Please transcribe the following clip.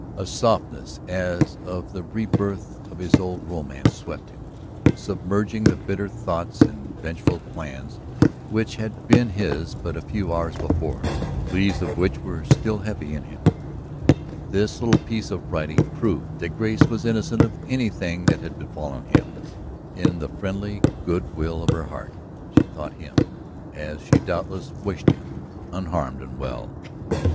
A softness, as of the rebirth of his old romance, swept him, submerging the bitter thoughts and vengeful plans which had been his but a few hours before, the lees of which were still heavy in him. This little piece of writing proved that Grace was innocent of anything that had befallen him. In the friendly good will of her heart she thought him, as she doubtless wished him, unharmed and well.